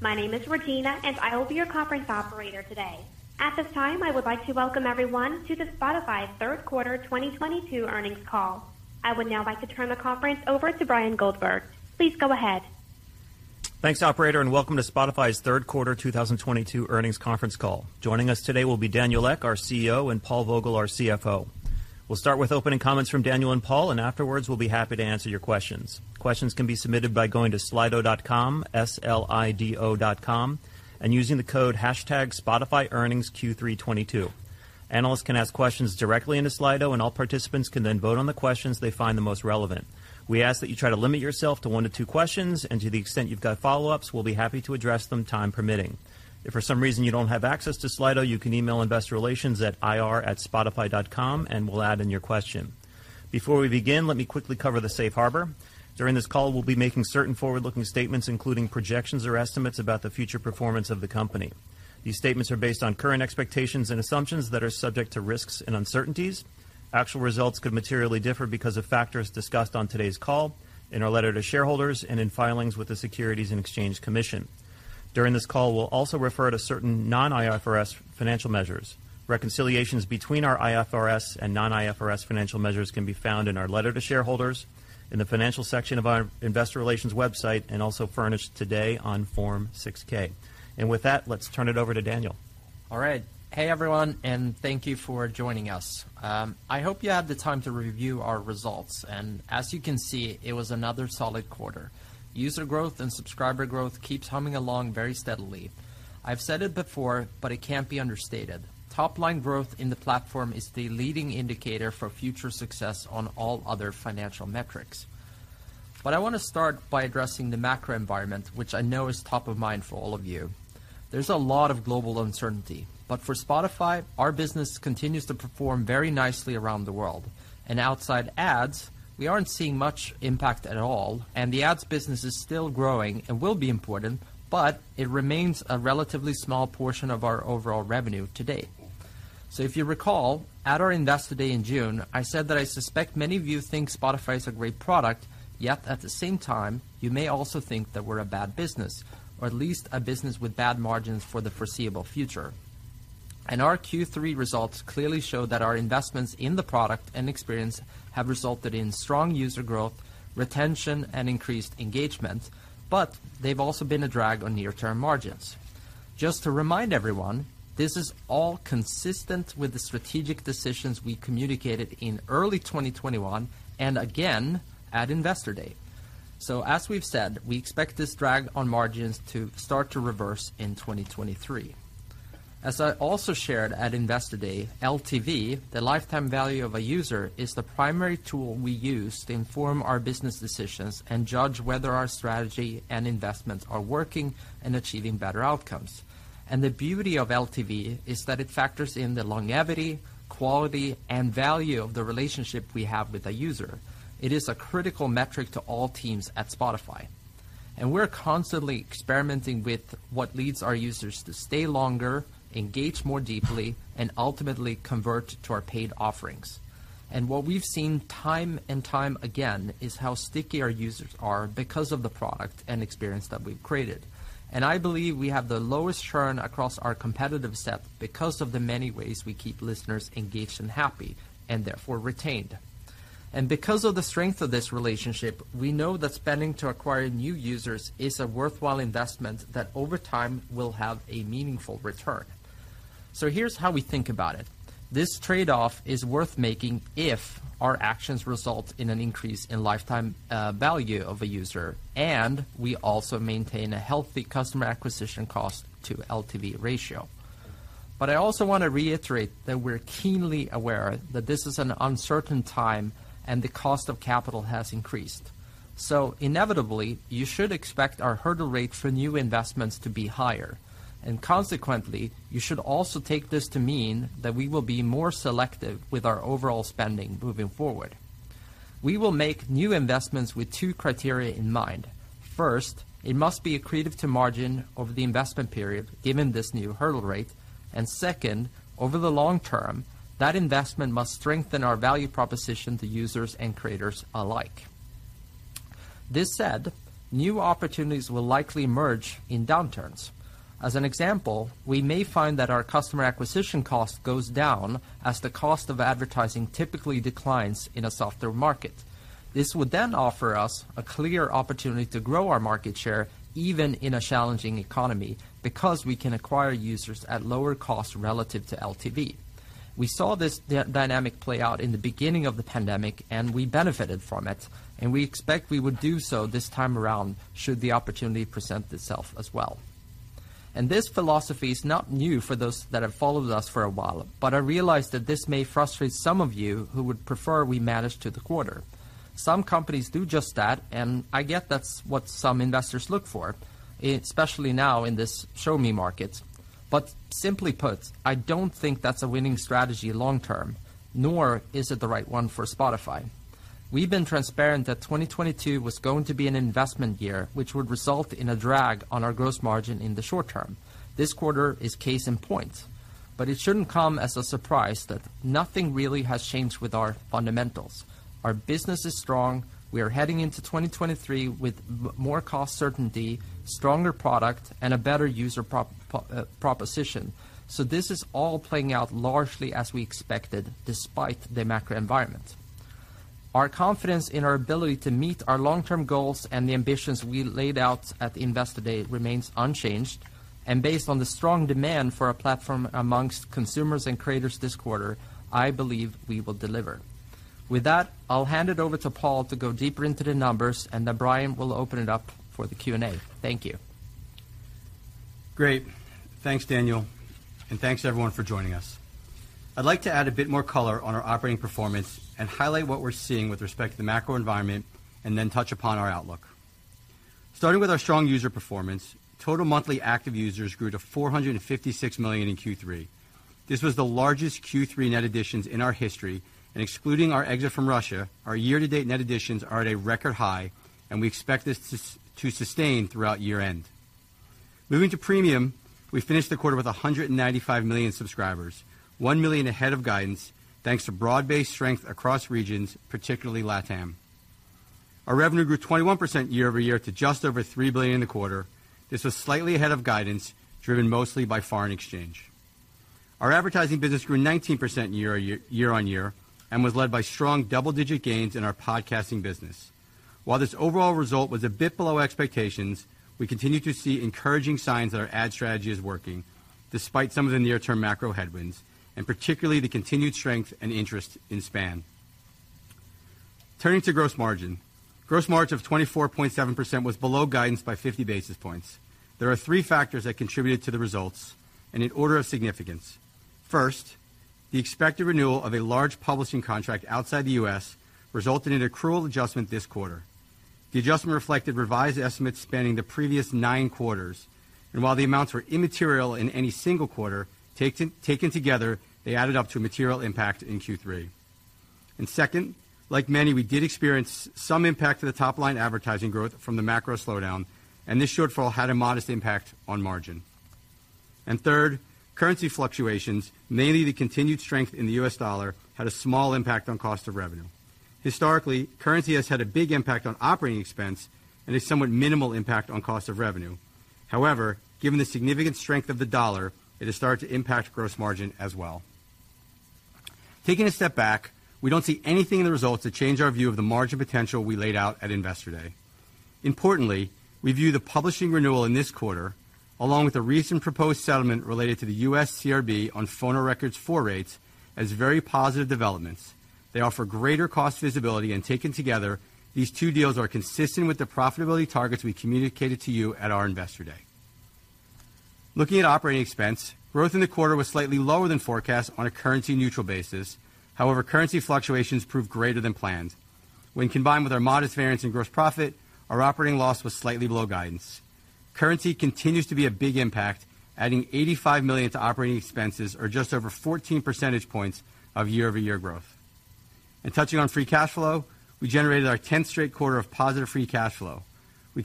My name is Regina, and I will be your conference operator today. At this time, I would like to welcome everyone to the Spotify third quarter 2022 earnings call. I would now like to turn the conference over to Bryan Goldberg. Please go ahead. Thanks, operator, and welcome to Spotify's third quarter 2022 earnings conference call. Joining us today will be Daniel Ek, our CEO, and Paul Vogel, our CFO. We'll start with opening comments from Daniel and Paul, and afterwards, we'll be happy to answer your questions. Questions can be submitted by going to slido.com, S-L-I-D-O .com, and using the code hashtag SpotifyEarningsQ322. Analysts can ask questions directly into Slido, and all participants can then vote on the questions they find the most relevant. We ask that you try to limit yourself to one to two questions, and to the extent you've got follow-ups, we'll be happy to address them, time permitting. If for some reason you don't have access to Slido, you can email investor relations at ir@spotify.com, and we'll add in your question. Before we begin, let me quickly cover the Safe Harbor. During this call, we'll be making certain forward-looking statements, including projections or estimates about the future performance of the company. These statements are based on current expectations and assumptions that are subject to risks and uncertainties. Actual results could materially differ because of factors discussed on today's call, in our letter to shareholders, and in filings with the Securities and Exchange Commission. During this call, we'll also refer to certain non-IFRS financial measures. Reconciliations between our IFRS and non-IFRS financial measures can be found in our letter to shareholders, in the financial section of our investor relations website, and also furnished today on Form 6-K. With that, let's turn it over to Daniel. All right. Hey, everyone, and thank you for joining us. I hope you had the time to review our results. As you can see, it was another solid quarter. User growth and subscriber growth keeps humming along very steadily. I've said it before, but it can't be understated. Top line growth in the platform is the leading indicator for future success on all other financial metrics. I want to start by addressing the macro environment, which I know is top of mind for all of you. There's a lot of global uncertainty, but for Spotify, our business continues to perform very nicely around the world. Outside ads, we aren't seeing much impact at all, and the ads business is still growing and will be important, but it remains a relatively small portion of our overall revenue to date. If you recall, at our Investor Day in June, I said that I suspect many of you think Spotify is a great product, yet at the same time, you may also think that we're a bad business, or at least a business with bad margins for the foreseeable future. Our Q3 results clearly show that our investments in the product and experience have resulted in strong user growth, retention, and increased engagement, but they've also been a drag on near-term margins. Just to remind everyone, this is all consistent with the strategic decisions we communicated in early 2021 and again at Investor Day. As we've said, we expect this drag on margins to start to reverse in 2023. As I also shared at Investor Day, LTV, the lifetime value of a user, is the primary tool we use to inform our business decisions and judge whether our strategy and investments are working and achieving better outcomes. The beauty of LTV is that it factors in the longevity, quality, and value of the relationship we have with a user. It is a critical metric to all teams at Spotify, and we're constantly experimenting with what leads our users to stay longer, engage more deeply, and ultimately convert to our paid offerings. What we've seen time and time again is how sticky our users are because of the product and experience that we've created. I believe we have the lowest churn across our competitive set because of the many ways we keep listeners engaged and happy, and therefore retained. Because of the strength of this relationship, we know that spending to acquire new users is a worthwhile investment that over time will have a meaningful return. Here's how we think about it. This trade-off is worth making if our actions result in an increase in lifetime value of a user, and we also maintain a healthy customer acquisition cost to LTV ratio. I also want to reiterate that we're keenly aware that this is an uncertain time and the cost of capital has increased. Inevitably, you should expect our hurdle rate for new investments to be higher. Consequently, you should also take this to mean that we will be more selective with our overall spending moving forward. We will make new investments with two criteria in mind. First, it must be accretive to margin over the investment period, given this new hurdle rate. Second, over the long term, that investment must strengthen our value proposition to users and creators alike. That said, new opportunities will likely emerge in downturns. As an example, we may find that our customer acquisition cost goes down as the cost of advertising typically declines in a softer market. This would then offer us a clear opportunity to grow our market share, even in a challenging economy, because we can acquire users at lower cost relative to LTV. We saw this dynamic play out in the beginning of the pandemic, and we benefited from it, and we expect we would do so this time around should the opportunity present itself as well. This philosophy is not new for those that have followed us for a while, but I realize that this may frustrate some of you who would prefer we manage to the quarter. Some companies do just that, and I get that's what some investors look for, especially now in this show me market. Simply put, I don't think that's a winning strategy long term, nor is it the right one for Spotify. We've been transparent that 2022 was going to be an investment year, which would result in a drag on our gross margin in the short term. This quarter is case in point. It shouldn't come as a surprise that nothing really has changed with our fundamentals. Our business is strong. We are heading into 2023 with more cost certainty, stronger product, and a better user proposition. This is all playing out largely as we expected, despite the macro environment. Our confidence in our ability to meet our long-term goals and the ambitions we laid out at the Investor Day remains unchanged, and based on the strong demand for our platform among consumers and creators this quarter, I believe we will deliver. With that, I'll hand it over to Paul to go deeper into the numbers, and then Bryan will open it up for the Q&A. Thank you. Great. Thanks, Daniel, and thanks everyone for joining us. I'd like to add a bit more color on our operating performance and highlight what we're seeing with respect to the macro environment and then touch upon our outlook. Starting with our strong user performance, total monthly active users grew to 456 million in Q3. This was the largest Q3 net additions in our history, and excluding our exit from Russia, our year-to-date net additions are at a record high, and we expect this to sustain throughout year-end. Moving to Premium, we finished the quarter with 195 million subscribers, 1 million ahead of guidance, thanks to broad-based strength across regions, particularly LATAM. Our revenue grew 21% year over year to just over 3 billion in the quarter. This was slightly ahead of guidance, driven mostly by foreign exchange. Our advertising business grew 19% year-over-year and was led by strong double-digit gains in our podcasting business. While this overall result was a bit below expectations, we continue to see encouraging signs that our ad strategy is working, despite some of the near-term macro headwinds, and particularly the continued strength and interest in SPAN. Turning to gross margin. Gross margin of 24.7% was below guidance by 50 basis points. There are three factors that contributed to the results and in order of significance. First, the expected renewal of a large publishing contract outside the U.S. resulted in an accrual adjustment this quarter. The adjustment reflected revised estimates spanning the previous nine quarters, and while the amounts were immaterial in any single quarter, taken together, they added up to a material impact in Q3. Second, like many, we did experience some impact to the top-line advertising growth from the macro slowdown, and this shortfall had a modest impact on margin. Third, currency fluctuations, mainly the continued strength in the U.S. dollar, had a small impact on cost of revenue. Historically, currency has had a big impact on operating expense and a somewhat minimal impact on cost of revenue. However, given the significant strength of the dollar, it has started to impact gross margin as well. Taking a step back, we don't see anything in the results that change our view of the margin potential we laid out at Investor Day. Importantly, we view the publishing renewal in this quarter, along with a recent proposed settlement related to the U.S. CRB on Phonorecords IV rates as very positive developments. They offer greater cost visibility and taken together, these two deals are consistent with the profitability targets we communicated to you at our Investor Day. Looking at operating expense, growth in the quarter was slightly lower than forecast on a currency-neutral basis. However, currency fluctuations proved greater than planned. When combined with our modest variance in gross profit, our operating loss was slightly below guidance. Currency continues to be a big impact, adding 85 million to operating expenses or just over 14 percentage points of year-over-year growth. Touching on free cash flow, we generated our 10th straight quarter of positive free cash flow. We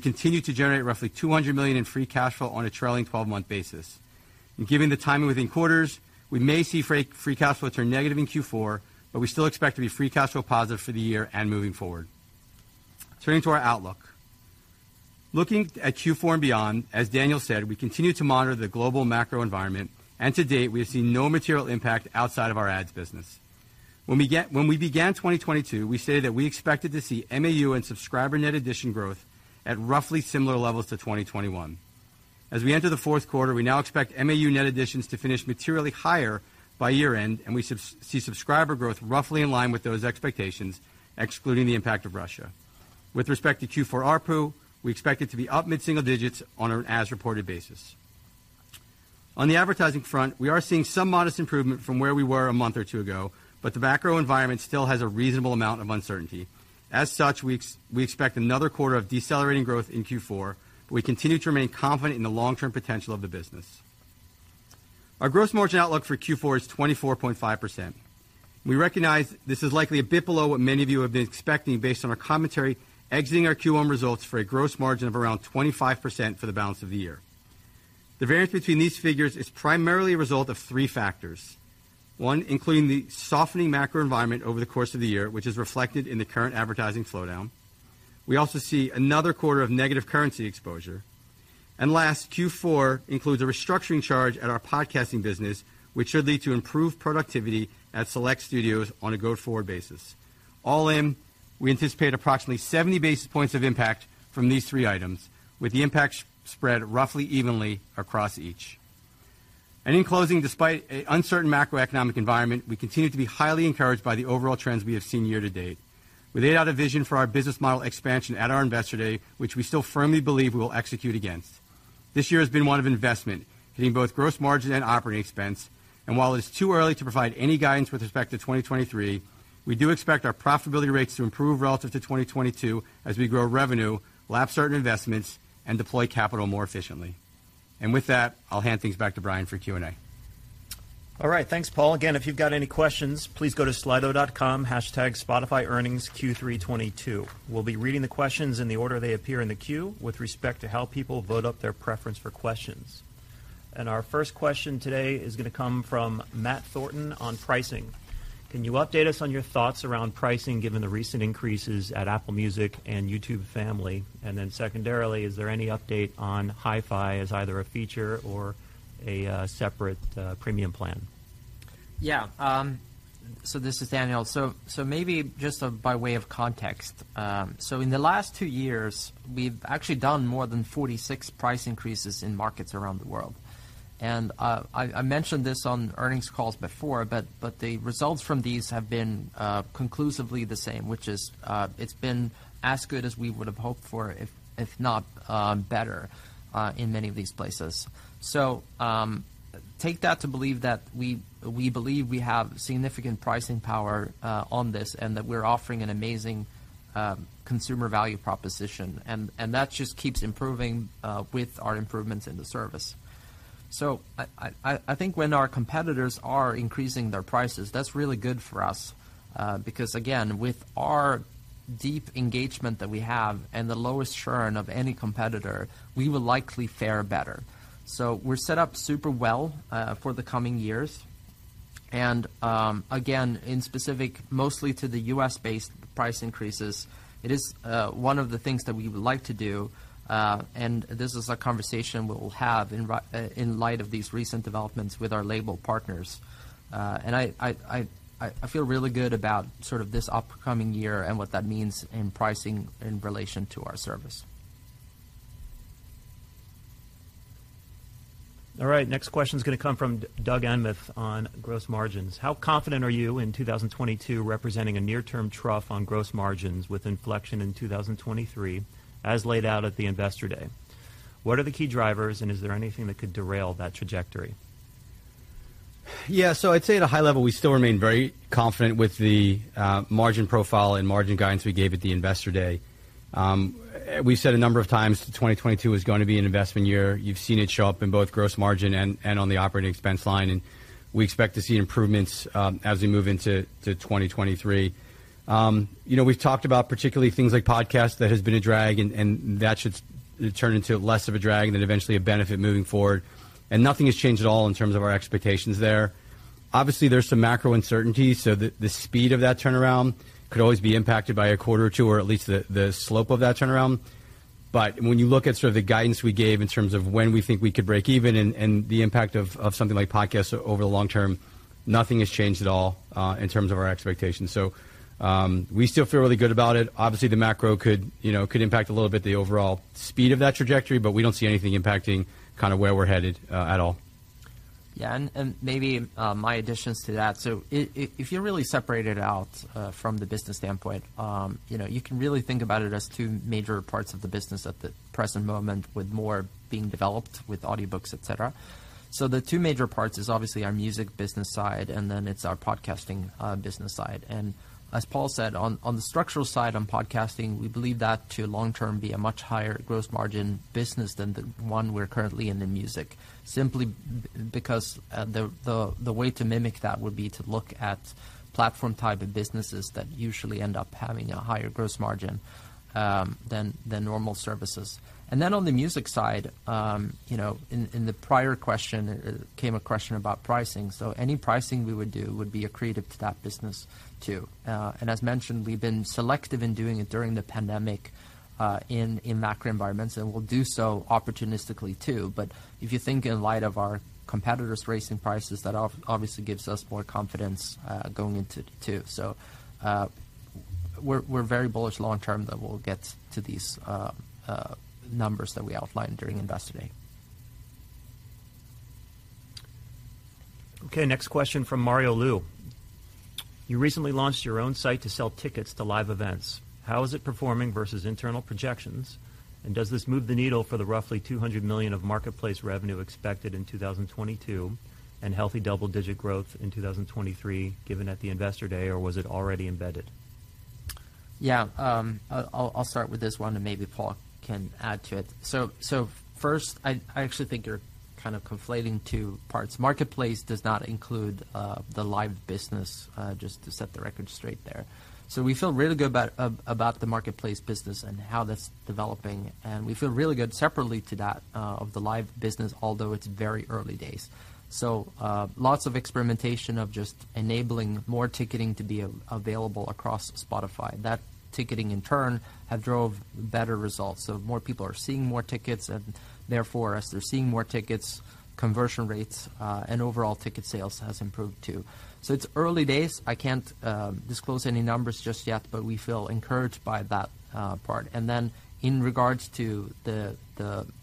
continue to generate roughly 200 million in free cash flow on a trailing 12-month basis. Given the timing within quarters, we may see free cash flow turn negative in Q4, but we still expect to be free cash flow positive for the year and moving forward. Turning to our outlook. Looking at Q4 and beyond, as Daniel said, we continue to monitor the global macro environment, and to date, we have seen no material impact outside of our ads business. When we began 2022, we stated that we expected to see MAU and subscriber net addition growth at roughly similar levels to 2021. As we enter the fourth quarter, we now expect MAU net additions to finish materially higher by year-end, and we see subscriber growth roughly in line with those expectations, excluding the impact of Russia. With respect to Q4 ARPU, we expect it to be up mid-single digits on an as-reported basis. On the advertising front, we are seeing some modest improvement from where we were a month or two ago, but the macro environment still has a reasonable amount of uncertainty. As such, we expect another quarter of decelerating growth in Q4, but we continue to remain confident in the long-term potential of the business. Our gross margin outlook for Q4 is 24.5%. We recognize this is likely a bit below what many of you have been expecting based on our commentary exiting our Q1 results for a gross margin of around 25% for the balance of the year. The variance between these figures is primarily a result of three factors. One, including the softening macro environment over the course of the year, which is reflected in the current advertising slowdown. We also see another quarter of negative currency exposure. Last, Q4 includes a restructuring charge at our podcasting business, which should lead to improved productivity at select studios on a go-forward basis. All in, we anticipate approximately 70 basis points of impact from these three items, with the impact spread roughly evenly across each. In closing, despite an uncertain macroeconomic environment, we continue to be highly encouraged by the overall trends we have seen year to date. We laid out a vision for our business model expansion at our Investor Day, which we still firmly believe we will execute against. This year has been one of investment, hitting both gross margin and operating expense. While it is too early to provide any guidance with respect to 2023, we do expect our profitability rates to improve relative to 2022 as we grow revenue, lap certain investments, and deploy capital more efficiently. With that, I'll hand things back to Bryan for Q&A. All right. Thanks, Paul. Again, if you've got any questions, please go to Slido.com #SpotifyearningsQ322. We'll be reading the questions in the order they appear in the queue with respect to how people vote up their preference for questions. Our first question today is going to come from Matt Thornton on pricing. Can you update us on your thoughts around pricing given the recent increases at Apple Music and YouTube family? And then secondarily, is there any update on HiFi as either a feature or a separate Premium plan? This is Daniel. Maybe just by way of context. In the last two years, we've actually done more than 46 price increases in markets around the world. I mentioned this on earnings calls before, but the results from these have been conclusively the same, which is, it's been as good as we would have hoped for, if not better in many of these places. Take that to believe that we believe we have significant pricing power on this, and that we're offering an amazing consumer value proposition, and that just keeps improving with our improvements in the service. I think when our competitors are increasing their prices, that's really good for us, because again, with our deep engagement that we have and the lowest churn of any competitor, we will likely fare better. We're set up super well for the coming years. Again, specifically, mostly to the U.S.-based price increases, it is one of the things that we would like to do, and this is a conversation we will have in light of these recent developments with our label partners. I feel really good about sort of this upcoming year and what that means in pricing in relation to our service. All right. Next question is going to come from Doug Anmuth on gross margins. How confident are you in 2022 representing a near-term trough on gross margins with inflection in 2023, as laid out at the Investor Day? What are the key drivers, and is there anything that could derail that trajectory? I'd say at a high level, we still remain very confident with the margin profile and margin guidance we gave at the Investor Day. We've said a number of times, 2022 is going to be an investment year. You've seen it show up in both gross margin and on the operating expense line, and we expect to see improvements as we move into 2023. You know, we've talked about particularly things like podcasts that has been a drag, and that should turn into less of a drag and then eventually a benefit moving forward. Nothing has changed at all in terms of our expectations there. Obviously, there's some macro uncertainty, so the speed of that turnaround could always be impacted by a quarter or two, or at least the slope of that turnaround. When you look at sort of the guidance we gave in terms of when we think we could break even and the impact of something like podcasts over the long term, nothing has changed at all, in terms of our expectations. We still feel really good about it. Obviously, the macro could, you know, could impact a little bit the overall speed of that trajectory, but we don't see anything impacting kind of where we're headed, at all. Yeah. Maybe my additions to that. If you really separate it out from the business standpoint, you know, you can really think about it as two major parts of the business at the present moment, with more being developed with audiobooks, et cetera. The two major parts is obviously our music business side, and then it's our podcasting business side. As Paul said, on the structural side, on podcasting, we believe that to long term be a much higher gross margin business than the one we're currently in the music, simply because the way to mimic that would be to look at platform type of businesses that usually end up having a higher gross margin than normal services. On the music side, you know, in the prior question, came a question about pricing. Any pricing we would do would be accretive to that business too. And as mentioned, we've been selective in doing it during the pandemic, in macro environments, and we'll do so opportunistically too. If you think in light of our competitors raising prices, that obviously gives us more confidence, going into 2022. We're very bullish long term that we'll get to these numbers that we outlined during Investor Day. Okay. Next question from Mario Lu. You recently launched your own site to sell tickets to live events. How is it performing versus internal projections? Does this move the needle for the roughly 200 million of marketplace revenue expected in 2022 and healthy double-digit growth in 2023, given at the Investor Day, or was it already embedded? I'll start with this one, and maybe Paul can add to it. First, I actually think you're kind of conflating two parts. Marketplace does not include the live business just to set the record straight there. We feel really good about the marketplace business and how that's developing, and we feel really good separately to that of the live business, although it's very early days. Lots of experimentation of just enabling more ticketing to be available across Spotify. That ticketing in turn have drove better results. More people are seeing more tickets and therefore, as they're seeing more tickets, conversion rates and overall ticket sales has improved too. It's early days. I can't disclose any numbers just yet, but we feel encouraged by that part. In regards to the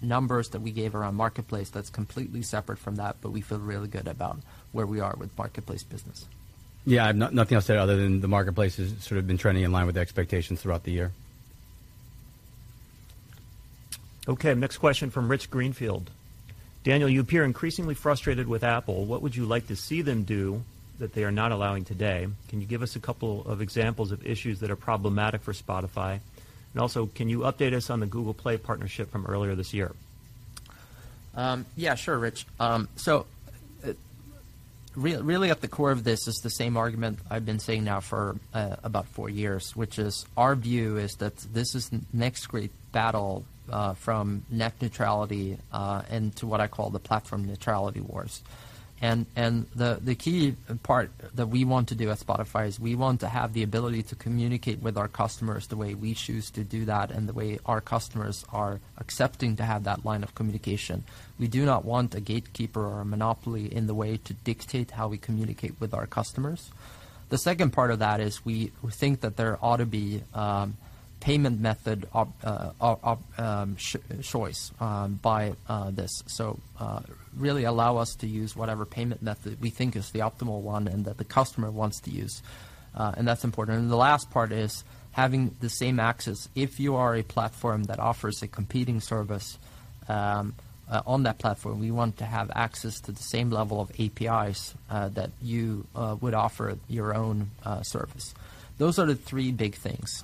numbers that we gave around marketplace, that's completely separate from that, but we feel really good about where we are with marketplace business. Yeah. Nothing else to add other than the marketplace has sort of been trending in line with the expectations throughout the year. Okay. Next question from Rich Greenfield. Daniel, you appear increasingly frustrated with Apple. What would you like to see them do that they are not allowing today? Can you give us a couple of examples of issues that are problematic for Spotify? Also, can you update us on the Google Play partnership from earlier this year? Yeah, sure, Rich. So really at the core of this is the same argument I've been saying now for about four years, which is our view is that this is the next great battle from net neutrality into what I call the platform neutrality wars. The key part that we want to do at Spotify is we want to have the ability to communicate with our customers the way we choose to do that and the way our customers are accepting to have that line of communication. We do not want a gatekeeper or a monopoly in the way to dictate how we communicate with our customers. The second part of that is we think that there ought to be payment method of choice by this. Really allow us to use whatever payment method we think is the optimal one and that the customer wants to use. That's important. The last part is having the same access. If you are a platform that offers a competing service, on that platform, we want to have access to the same level of APIs, that you would offer your own service. Those are the three big things.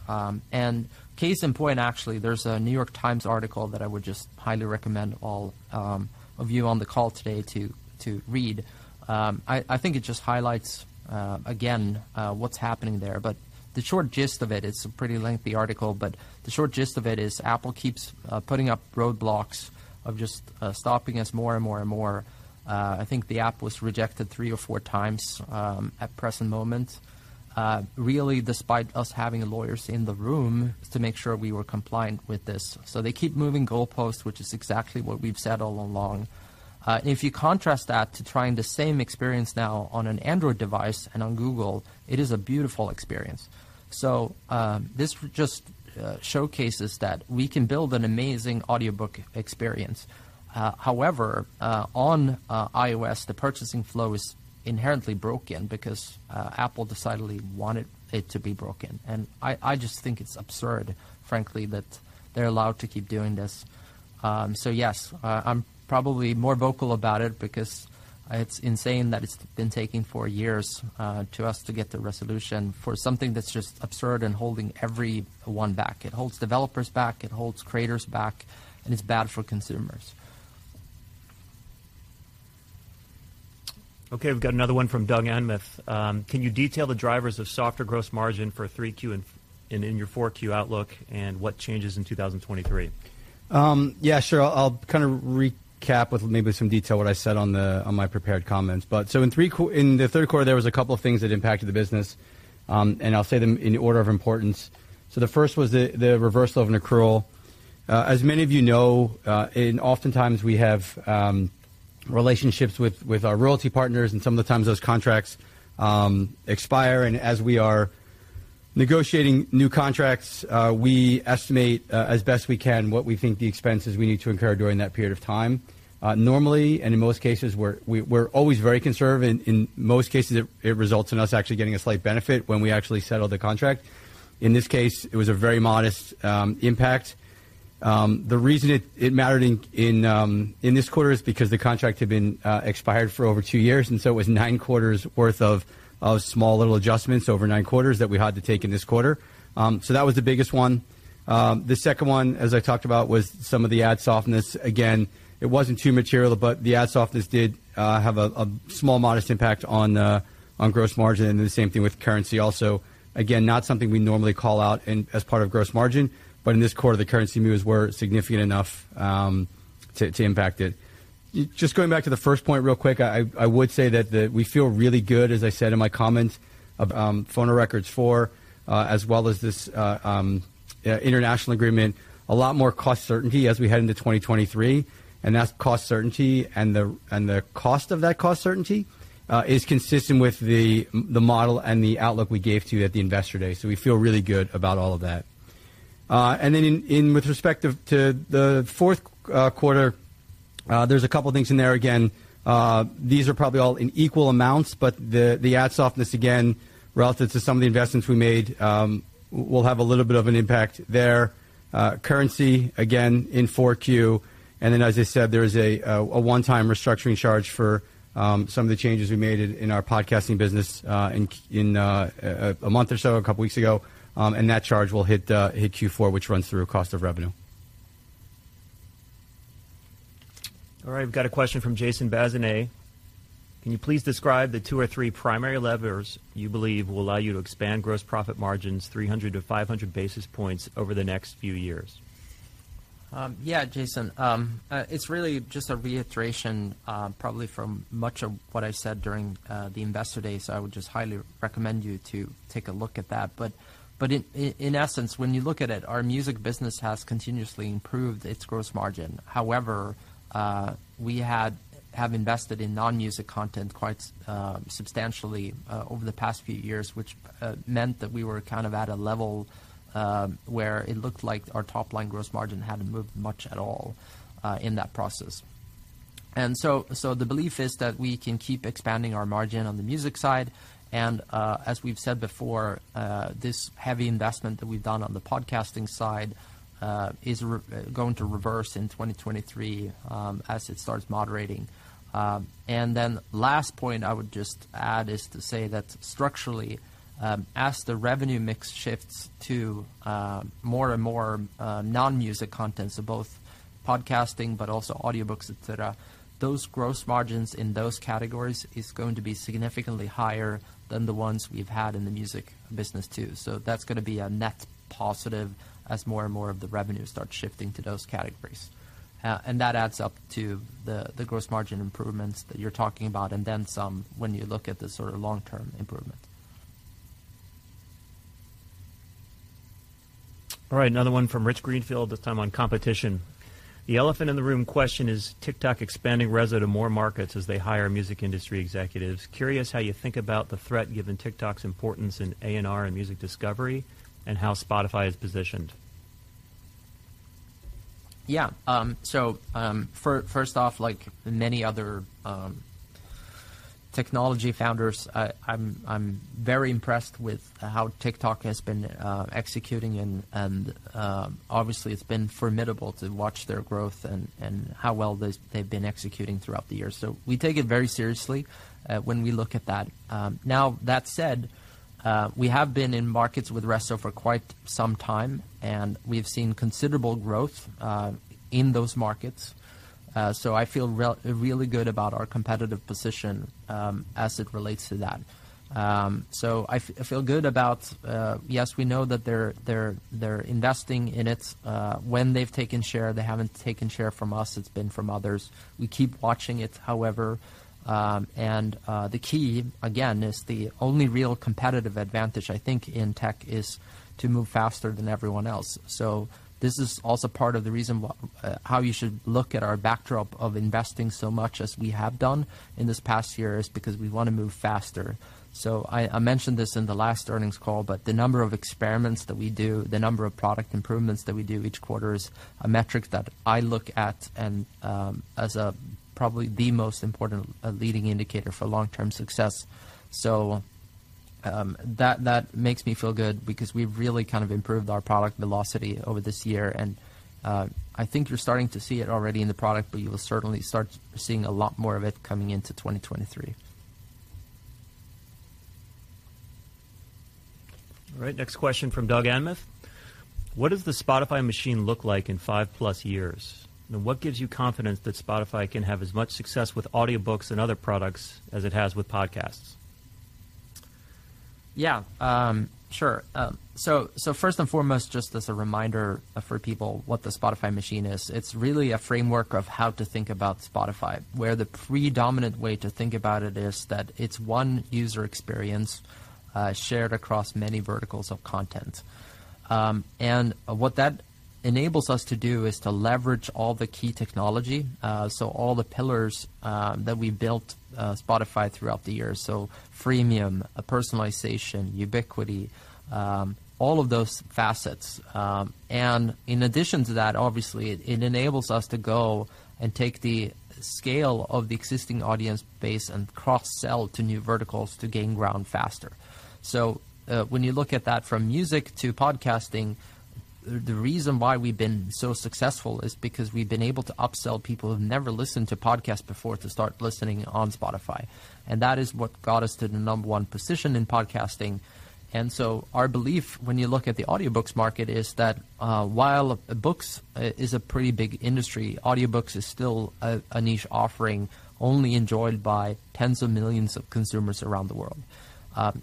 Case in point, actually, there's a New York Times article that I would just highly recommend all of you on the call today to read. I think it just highlights, again, what's happening there. The short gist of it's a pretty lengthy article, but the short gist of it is Apple keeps putting up roadblocks of just stopping us more and more. I think the app was rejected three or four times, at present moment, really despite us having lawyers in the room to make sure we were compliant with this. They keep moving goalposts, which is exactly what we've said all along. If you contrast that to trying the same experience now on an Android device and on Google, it is a beautiful experience. This just showcases that we can build an amazing audiobook experience. However, on iOS, the purchasing flow is inherently broken because Apple decidedly wanted it to be broken. I just think it's absurd, frankly, that they're allowed to keep doing this. Yes, I'm probably more vocal about it because it's insane that it's been taking four years to us to get the resolution for something that's just absurd and holding everyone back. It holds developers back, it holds creators back, and it's bad for consumers. Okay, we've got another one from Doug Anmuth. Can you detail the drivers of softer gross margin for 3Q and in your 4Q outlook and what changes in 2023? Yeah, sure. I'll kind of recap with maybe some detail what I said on my prepared comments. In the third quarter, there was a couple of things that impacted the business, and I'll say them in order of importance. The first was the reversal of an accrual. As many of you know, and oftentimes we have relationships with our royalty partners, and some of the times those contracts expire. As we are negotiating new contracts, we estimate as best we can what we think the expenses we need to incur during that period of time. Normally, and in most cases, we're always very conservative. In most cases, it results in us actually getting a slight benefit when we actually settle the contract. In this case, it was a very modest impact. The reason it mattered in this quarter is because the contract had been expired for over two years, and so it was nine quarters worth of small little adjustments over nine quarters that we had to take in this quarter. That was the biggest one. The second one, as I talked about, was some of the ad softness. Again, it wasn't too material, but the ad softness did have a small modest impact on gross margin. The same thing with currency also. Again, not something we normally call out in, as part of gross margin, but in this quarter, the currency moves were significant enough to impact it. Just going back to the first point real quick, I would say that we feel really good, as I said in my comments, about Phonorecords IV, as well as this international agreement. A lot more cost certainty as we head into 2023, and that cost certainty and the cost of that cost certainty is consistent with the model and the outlook we gave to you at the Investor Day. We feel really good about all of that. With respect to the fourth quarter, there's a couple things in there. Again, these are probably all in equal amounts, but the ad softness, again, relative to some of the investments we made, will have a little bit of an impact there. Currency, again, in 4Q. as I said, there is a one-time restructuring charge for some of the changes we made in our podcasting business, in a month or so, a couple weeks ago. That charge will hit Q4, which runs through cost of revenue. All right, we've got a question from Jason Bazinet. Can you please describe the two or three primary levers you believe will allow you to expand gross profit margins 300-500 basis points over the next few years? Yeah, Jason. It's really just a reiteration, probably from much of what I said during the Investor Day. I would just highly recommend you to take a look at that. But in essence, when you look at it, our music business has continuously improved its gross margin. However, we have invested in non-music content quite substantially over the past few years, which meant that we were kind of at a level where it looked like our top-line gross margin hadn't moved much at all in that process. The belief is that we can keep expanding our margin on the music side. As we've said before, this heavy investment that we've done on the podcasting side is going to reverse in 2023, as it starts moderating. Last point I would just add is to say that structurally, as the revenue mix shifts to more and more non-music content, so both podcasting but also audiobooks, et cetera, those gross margins in those categories is going to be significantly higher than the ones we've had in the music business too. That's gonna be a net positive as more and more of the revenue starts shifting to those categories. That adds up to the gross margin improvements that you're talking about, and then some when you look at the sort of long-term improvement. All right, another one from Rich Greenfield, this time on competition. The elephant in the room question, is TikTok expanding Resso to more markets as they hire music industry executives? Curious how you think about the threat, given TikTok's importance in A&R and music discovery, and how Spotify is positioned. Yeah. So, first off, like many other technology founders, I'm very impressed with how TikTok has been executing and obviously it's been formidable to watch their growth and how well they've been executing throughout the year. We take it very seriously when we look at that. Now, that said, we have been in markets with Resso for quite some time, and we've seen considerable growth in those markets. So I feel really good about our competitive position as it relates to that. I feel good about, yes, we know that they're investing in it. When they've taken share, they haven't taken share from us, it's been from others. We keep watching it, however. The key again is the only real competitive advantage I think in tech is to move faster than everyone else. This is also part of the reason how you should look at our backdrop of investing so much as we have done in this past year is because we want to move faster. I mentioned this in the last earnings call, but the number of experiments that we do, the number of product improvements that we do each quarter is a metric that I look at and as probably the most important leading indicator for long-term success. That makes me feel good because we've really kind of improved our product velocity over this year. I think you're starting to see it already in the product, but you will certainly start seeing a lot more of it coming into 2023. All right. Next question from Doug Anmuth. What does the Spotify machine look like in five plus years? And what gives you confidence that Spotify can have as much success with audiobooks and other products as it has with podcasts? Yeah. Sure. First and foremost, just as a reminder for people what the Spotify machine is, it's really a framework of how to think about Spotify, where the predominant way to think about it is that it's one user experience shared across many verticals of content. What that enables us to do is to leverage all the key technology, so all the pillars that we built Spotify throughout the years. Freemium, Personalization, Ubiquity, all of those facets. In addition to that, obviously it enables us to go and take the scale of the existing audience base and cross-sell to new verticals to gain ground faster. When you look at that from music to podcasting, the reason why we've been so successful is because we've been able to upsell people who've never listened to podcasts before to start listening on Spotify. That is what got us to the number one position in podcasting. Our belief when you look at the audiobooks market is that while books is a pretty big industry, audiobooks is still a niche offering only enjoyed by tens of millions of consumers around the world.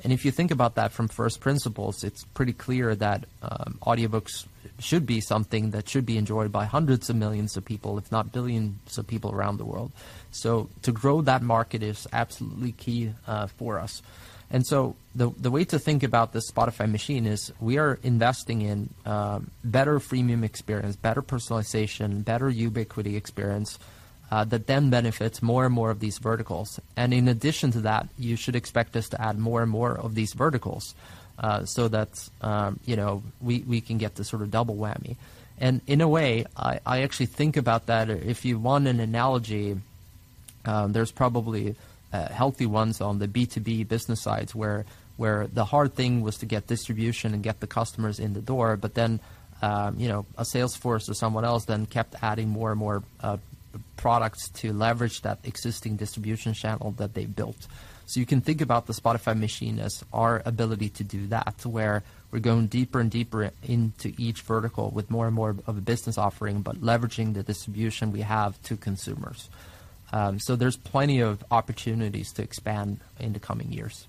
If you think about that from first principles, it's pretty clear that audiobooks should be something that should be enjoyed by hundreds of millions of people, if not billions of people around the world. To grow that market is absolutely key for us. The way to think about the Spotify machine is we are investing in better freemium experience, better personalization, better ubiquity experience that then benefits more and more of these verticals. In addition to that, you should expect us to add more and more of these verticals so that you know, we can get the sort of double whammy. In a way, I actually think about that. If you want an analogy, there's probably healthy ones on the B2B business sides, where the hard thing was to get distribution and get the customers in the door, but then you know, a Salesforce or someone else then kept adding more and more products to leverage that existing distribution channel that they built. You can think about the Spotify machine as our ability to do that, where we're going deeper and deeper into each vertical with more and more of a business offering, but leveraging the distribution we have to consumers. There's plenty of opportunities to expand in the coming years.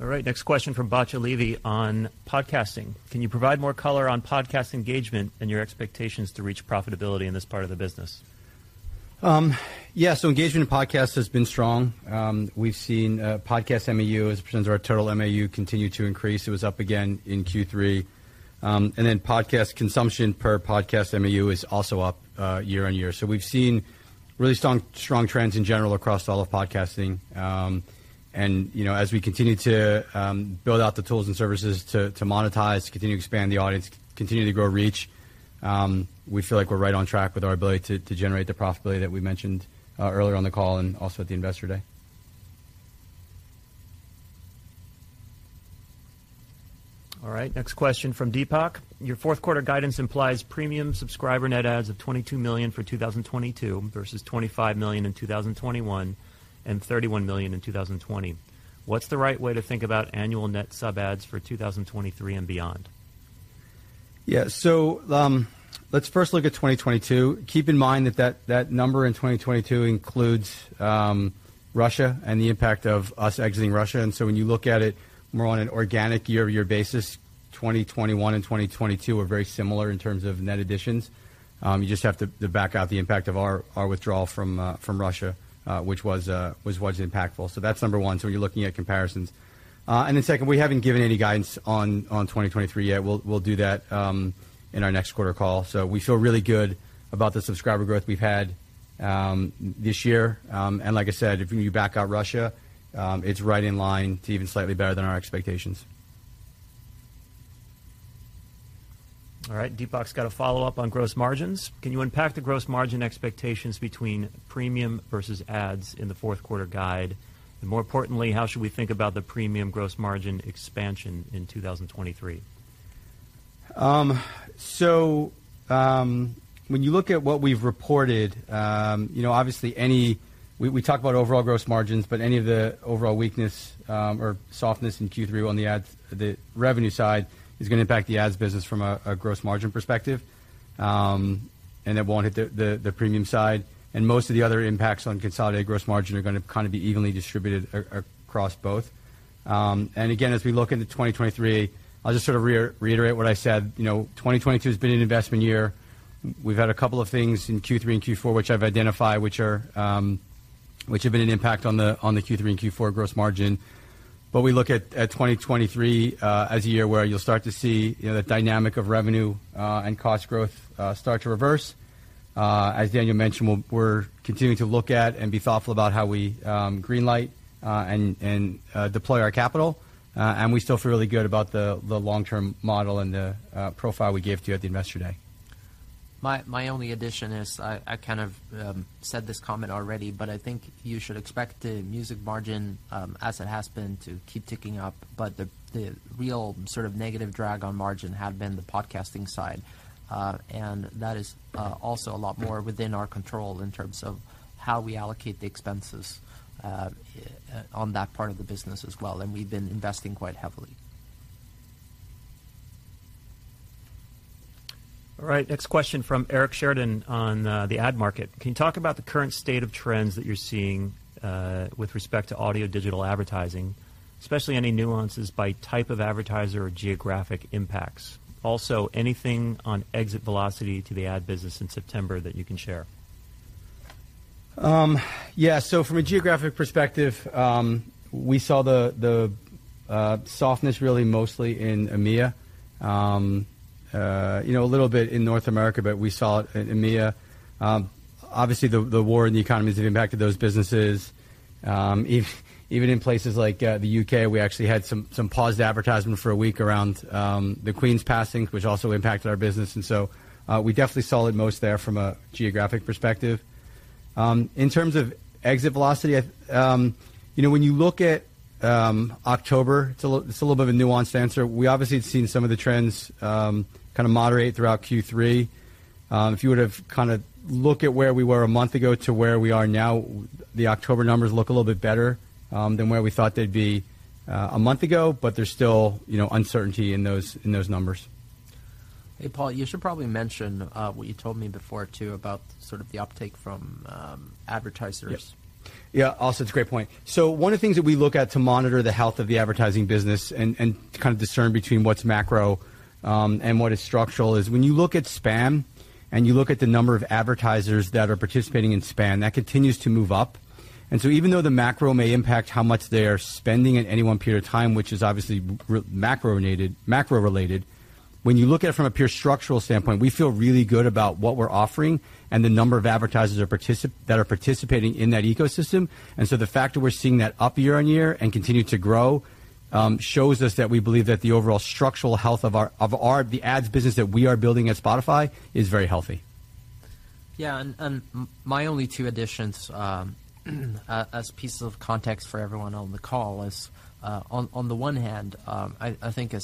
All right, next question from Batya Levi on podcasting. Can you provide more color on podcast engagement and your expectations to reach profitability in this part of the business? Yeah. Engagement in podcasts has been strong. We've seen podcast MAUs, as a percentage of our total MAU, continue to increase. It was up again in Q3. Podcast consumption per podcast MAU is also up year on year. We've seen really strong trends in general across all of podcasting. You know, as we continue to build out the tools and services to monetize, to continue to expand the audience, continue to grow reach, we feel like we're right on track with our ability to generate the profitability that we mentioned earlier on the call and also at the Investor Day. All right, next question from Deepak. Your fourth quarter guidance implies Premium subscriber net adds of 22 million for 2022 versus 25 million in 2021 and 31 million in 2020. What's the right way to think about annual net sub adds for 2023 and beyond? Yeah. Let's first look at 2022. Keep in mind that number in 2022 includes Russia and the impact of us exiting Russia. When you look at it more on an organic year-over-year basis, 2021 and 2022 are very similar in terms of net additions. You just have to back out the impact of our withdrawal from Russia, which was impactful. That's number one. You're looking at comparisons. And then second, we haven't given any guidance on 2023 yet. We'll do that in our next quarter call. We feel really good about the subscriber growth we've had this year. And like I said, if you back out Russia, it's right in line, to even slightly better than our expectations. All right, Deepak's got a follow-up on gross margins. Can you unpack the gross margin expectations between Premium versus ads in the fourth quarter guide? More importantly, how should we think about the Premium gross margin expansion in 2023? When you look at what we've reported, you know, obviously we talk about overall gross margins, but any of the overall weakness or softness in Q3 on the ads revenue side is gonna impact the ads business from a gross margin perspective, and it won't hit the Premium side. Most of the other impacts on consolidated gross margin are gonna kind of be evenly distributed across both. Again, as we look into 2023, I'll just sort of reiterate what I said. You know, 2022 has been an investment year. We've had a couple of things in Q3 and Q4, which I've identified, which have been an impact on the Q3 and Q4 gross margin. We look at 2023 as a year where you'll start to see, you know, the dynamic of revenue and cost growth start to reverse. As Daniel mentioned, we're continuing to look at and be thoughtful about how we greenlight and deploy our capital. We still feel really good about the long-term model and the profile we gave to you at the Investor Day. My only addition is I kind of said this comment already, but I think you should expect the music margin as it has been to keep ticking up. The real sort of negative drag on margin had been the podcasting side. That is also a lot more within our control in terms of how we allocate the expenses on that part of the business as well, and we've been investing quite heavily. All right. Next question from Eric Sheridan on the ad market. Can you talk about the current state of trends that you're seeing with respect to audio digital advertising, especially any nuances by type of advertiser or geographic impacts? Also, anything on exit velocity to the ad business in September that you can share? Yeah. From a geographic perspective, we saw the softness really mostly in EMEA. You know, a little bit in North America, but we saw it in EMEA. Obviously, the war and the economies have impacted those businesses. Even in places like the U.K., we actually had some paused advertisement for a week around the Queen's passing, which also impacted our business. We definitely saw it most there from a geographic perspective. In terms of exit velocity, you know, when you look at October, it's a little bit of a nuanced answer. We obviously have seen some of the trends kind of moderate throughout Q3. If you were to kind of look at where we were a month ago to where we are now, the October numbers look a little bit better than where we thought they'd be a month ago. There's still, you know, uncertainty in those numbers. Hey, Paul, you should probably mention what you told me before, too, about sort of the uptake from advertisers. Yeah. Also, it's a great point. One of the things that we look at to monitor the health of the advertising business and kind of discern between what's macro and what is structural is when you look at SPAN and you look at the number of advertisers that are participating in SPAN, that continues to move up. Even though the macro may impact how much they are spending at any one period of time, which is obviously macro related, when you look at it from a pure structural standpoint, we feel really good about what we're offering and the number of advertisers that are participating in that ecosystem. The fact that we're seeing that up year-on-year and continue to grow shows us that we believe that the overall structural health of our ads business that we are building at Spotify is very healthy. Yeah. My only two additions as pieces of context for everyone on the call is on the one hand, I think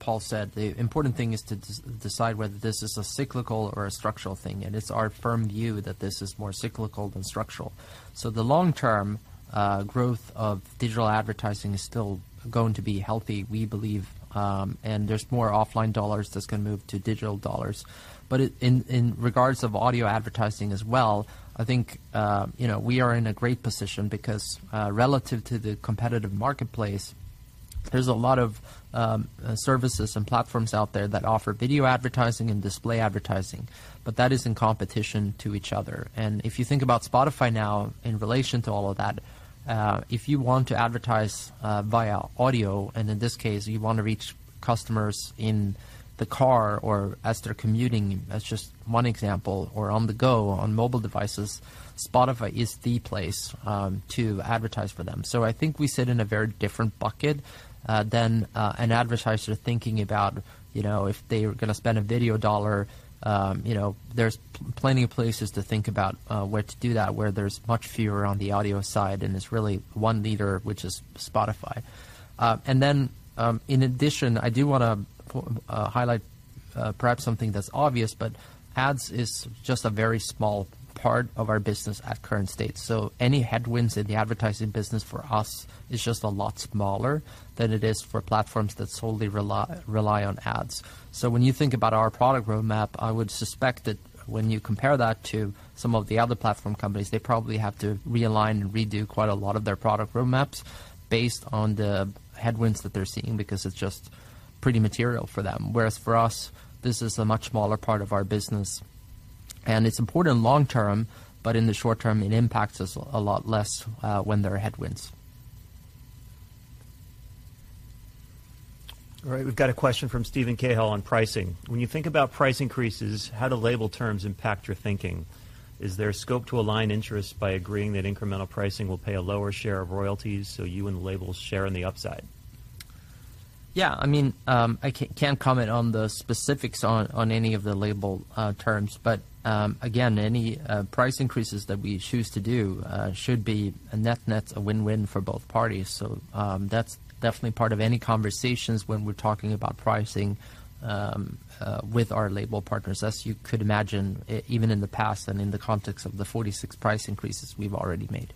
as Paul said, the important thing is to decide whether this is a cyclical or a structural thing, and it's our firm view that this is more cyclical than structural. The long-term growth of digital advertising is still going to be healthy, we believe, and there's more offline dollars that's gonna move to digital dollars. In regards to audio advertising as well, I think you know, we are in a great position because relative to the competitive marketplace, there's a lot of services and platforms out there that offer video advertising and display advertising, but that is in competition to each other. If you think about Spotify now in relation to all of that, if you want to advertise via audio, and in this case, you want to reach customers in the car or as they're commuting, that's just one example or on the go on mobile devices, Spotify is the place to advertise for them. I think we sit in a very different bucket than an advertiser thinking about, you know, if they're gonna spend a video dollar. You know, there's plenty of places to think about where to do that, where there's much fewer on the audio side, and it's really one leader, which is Spotify. Then, in addition, I do want to highlight, perhaps something that's obvious, but ads is just a very small part of our business at current state. Any headwinds in the advertising business for us is just a lot smaller than it is for platforms that solely rely on ads. When you think about our product roadmap, I would suspect that when you compare that to some of the other platform companies, they probably have to realign and redo quite a lot of their product roadmaps based on the headwinds that they're seeing because it's just pretty material for them. Whereas for us, this is a much smaller part of our business, and it's important long-term, but in the short term, it impacts us a lot less when there are headwinds. All right, we've got a question from Steven Cahall on pricing. When you think about price increases, how do label terms impact your thinking? Is there scope to align interests by agreeing that incremental pricing will pay a lower share of royalties, so you and the labels share in the upside? Yeah. I mean, I can't comment on the specifics on any of the label terms, but again, any price increases that we choose to do should be a net-net, a win-win for both parties. That's definitely part of any conversations when we're talking about pricing with our label partners, as you could imagine, even in the past and in the context of the 46 price increases we've already made.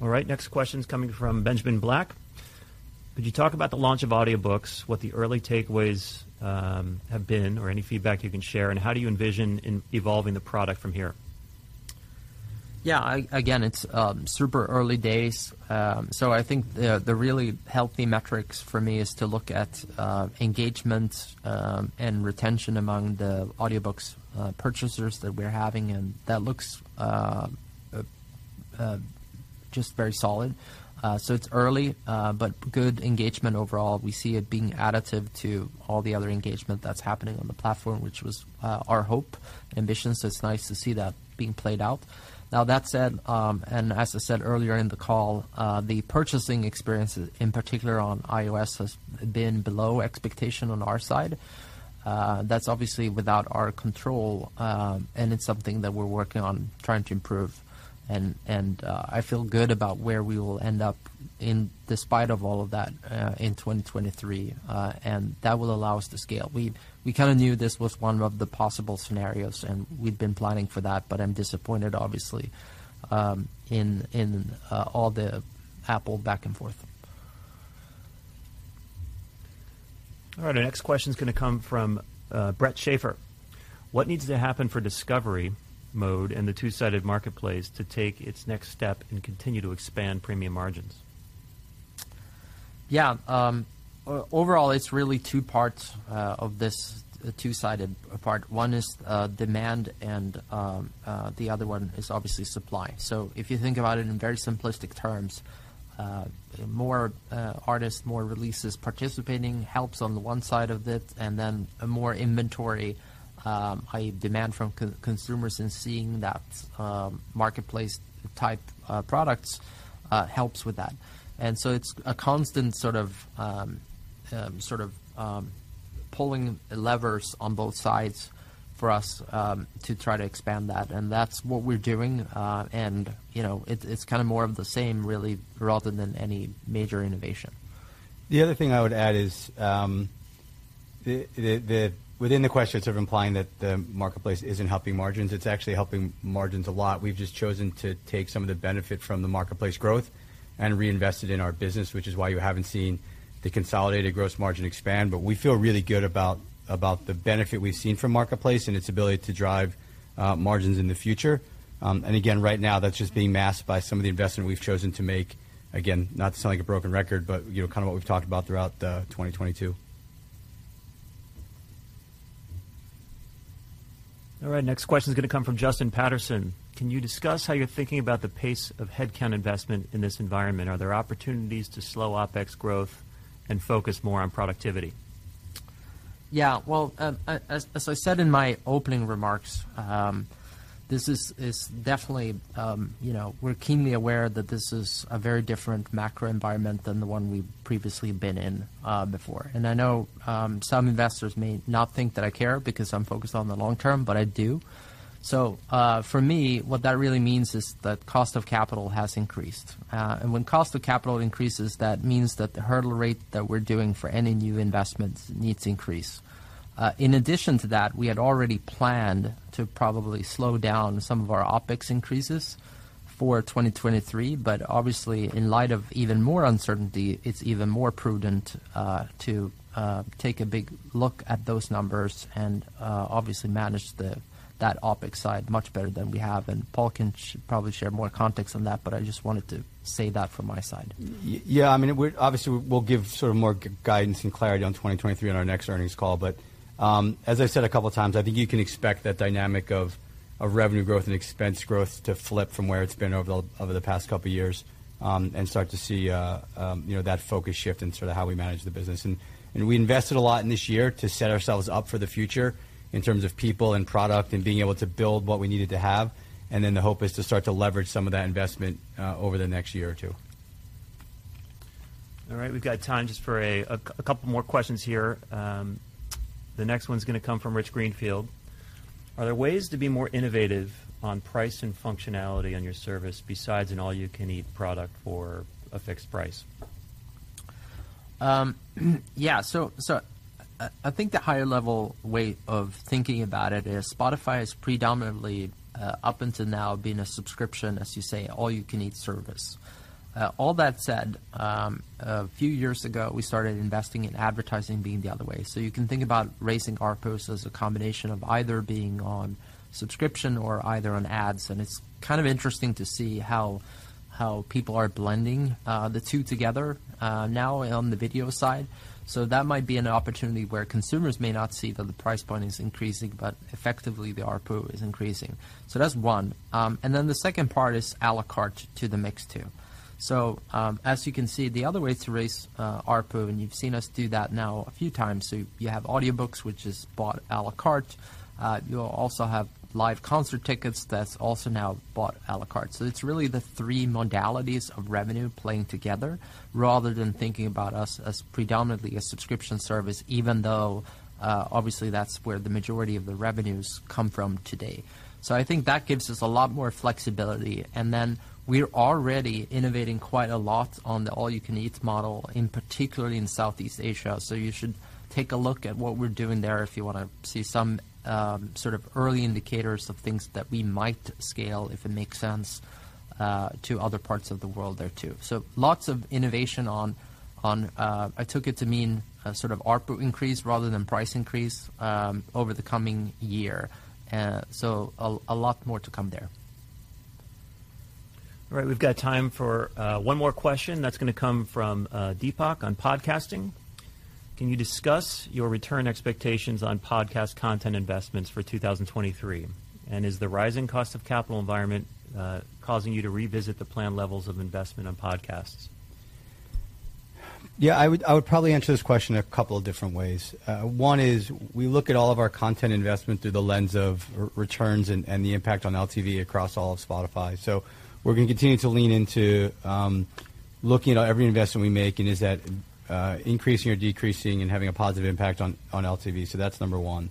All right. Next question is coming from Benjamin Black. Could you talk about the launch of audiobooks, what the early takeaways have been or any feedback you can share, and how do you envision in evolving the product from here? Yeah. Again, it's super early days. So I think the really healthy metrics for me is to look at engagement and retention among the audiobooks purchasers that we're having, and that looks just very solid. So it's early, but good engagement overall. We see it being additive to all the other engagement that's happening on the platform, which was our hope, ambition, so it's nice to see that being played out. Now, that said, as I said earlier in the call, the purchasing experience, in particular on iOS, has been below expectation on our side. That's obviously without our control, and it's something that we're working on trying to improve, and I feel good about where we will end up in spite of all of that, in 2023. That will allow us to scale. We kinda knew this was one of the possible scenarios, and we've been planning for that, but I'm disappointed obviously in all the Apple back and forth. All right, our next question is gonna come from Brett Schafer. What needs to happen for Discovery Mode and the two-sided marketplace to take its next step and continue to expand Premium margins? Yeah. Overall, it's really two parts of this two-sided part. One is demand and the other one is obviously supply. If you think about it in very simplistic terms, more artists, more releases participating helps on the one side of it, and then more inventory, high demand from consumers and seeing that marketplace type products helps with that. It's a constant sort of pulling levers on both sides for us to try to expand that. That's what we're doing. You know, it's kinda more of the same really rather than any major innovation. The other thing I would add is, within the question, it's sort of implying that the marketplace isn't helping margins. It's actually helping margins a lot. We've just chosen to take some of the benefit from the marketplace growth and reinvest it in our business, which is why you haven't seen the consolidated gross margin expand. We feel really good about the benefit we've seen from marketplace and its ability to drive margins in the future. And again, right now, that's just being masked by some of the investment we've chosen to make. Again, not to sound like a broken record, but, you know, kinda what we've talked about throughout 2022. All right, next question is gonna come from Justin Patterson. Can you discuss how you're thinking about the pace of headcount investment in this environment? Are there opportunities to slow OpEx growth and focus more on productivity? Yeah. Well, as I said in my opening remarks, this is definitely, you know, we're keenly aware that this is a very different macro environment than the one we've previously been in, before. I know some investors may not think that I care because I'm focused on the long term, but I do. For me, what that really means is that cost of capital has increased. When cost of capital increases, that means that the hurdle rate that we're doing for any new investments needs increase. In addition to that, we had already planned to probably slow down some of our OpEx increases for 2023, but obviously, in light of even more uncertainty, it's even more prudent to take a big look at those numbers and obviously manage that OpEx side much better than we have. Paul can probably share more context on that, but I just wanted to say that from my side. Yeah. I mean, obviously we'll give sort of more guidance and clarity on 2023 on our next earnings call. As I said a couple of times, I think you can expect that dynamic of revenue growth and expense growth to flip from where it's been over the past couple of years and start to see you know that focus shift in sort of how we manage the business. We invested a lot in this year to set ourselves up for the future in terms of people and product and being able to build what we needed to have. Then the hope is to start to leverage some of that investment over the next year or two. All right, we've got time just for a couple more questions here. The next one's gonna come from Rich Greenfield. Are there ways to be more innovative on price and functionality on your service besides an all you can eat product for a fixed price? Yeah. I think the higher level way of thinking about it is Spotify is predominantly up until now being a subscription, as you say, all you can eat service. All that said, a few years ago, we started investing in advertising being the other way. You can think about raising ARPU as a combination of either being on subscription or either on ads. It's kind of interesting to see how people are blending the two together now on the video side. That might be an opportunity where consumers may not see that the price point is increasing, but effectively the ARPU is increasing. That's one. Then the second part is a la carte to the mix, too. As you can see, the other way to raise ARPU, and you've seen us do that now a few times. You have audiobooks, which is bought à la carte. You'll also have live concert tickets that's also now bought à la carte. It's really the three modalities of revenue playing together rather than thinking about us as predominantly a subscription service, even though obviously that's where the majority of the revenues come from today. I think that gives us a lot more flexibility. Then we're already innovating quite a lot on the all-you-can-eat model, in particular in Southeast Asia. You should take a look at what we're doing there if you wanna see some sort of early indicators of things that we might scale, if it makes sense, to other parts of the world there too. Lots of innovation on I took it to mean sort of ARPU increase rather than price increase over the coming year. A lot more to come there. All right. We've got time for one more question that's gonna come from Deepak on podcasting. Can you discuss your return expectations on podcast content investments for 2023? And is the rising cost of capital environment causing you to revisit the plan levels of investment on podcasts? Yeah, I would probably answer this question a couple of different ways. One is we look at all of our content investment through the lens of returns and the impact on LTV across all of Spotify. We're going to continue to lean into looking at every investment we make, and is that increasing or decreasing and having a positive impact on LTV. That's number one.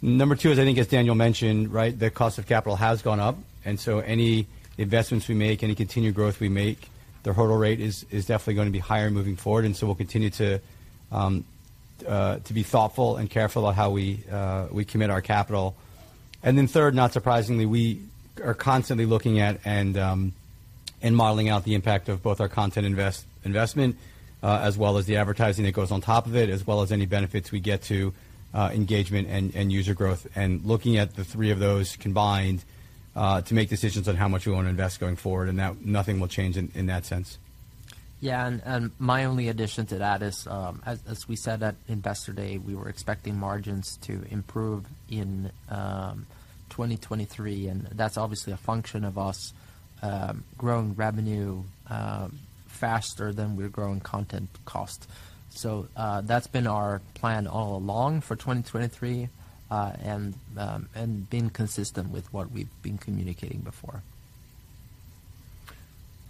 Number two is, I think, as Daniel mentioned, right? The cost of capital has gone up, and so any investments we make, any continued growth we make, the hurdle rate is definitely going to be higher moving forward. We'll continue to be thoughtful and careful of how we commit our capital. Third, not surprisingly, we are constantly looking at and modeling out the impact of both our content investment, as well as the advertising that goes on top of it, as well as any benefits we get to engagement and user growth. Looking at the three of those combined, to make decisions on how much we want to invest going forward. That nothing will change in that sense. Yeah. My only addition to that is, as we said at Investor Day, we were expecting margins to improve in 2023, and that's obviously a function of us growing revenue faster than we're growing content cost. That's been our plan all along for 2023 and been consistent with what we've been communicating before.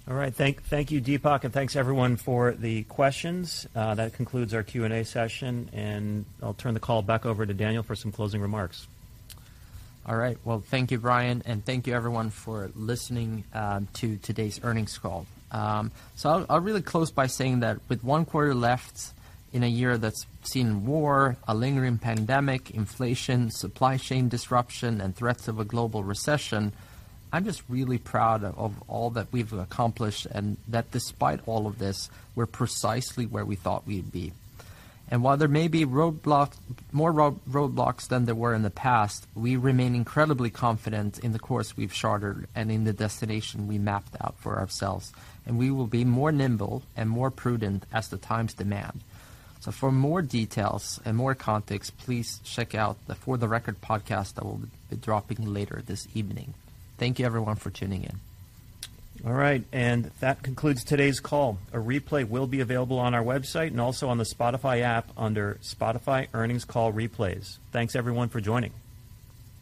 All right. Thank you, Deepak. Thanks everyone for the questions. That concludes our Q&A session, and I'll turn the call back over to Daniel for some closing remarks. All right. Well, thank you, Bryan, and thank you everyone for listening to today's earnings call. I'll really close by saying that with one quarter left in a year that's seen war, a lingering pandemic, inflation, supply chain disruption, and threats of a global recession, I'm just really proud of all that we've accomplished, and that despite all of this, we're precisely where we thought we'd be. While there may be more roadblocks than there were in the past, we remain incredibly confident in the course we've chartered and in the destination we mapped out for ourselves. We will be more nimble and more prudent as the times demand. For more details and more context, please check out the For the Record podcast that we'll be dropping later this evening. Thank you everyone for tuning in. All right. That concludes today's call. A replay will be available on our website and also on the Spotify app under Spotify Earnings Call Replays. Thanks everyone for joining.